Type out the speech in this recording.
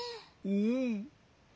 うん。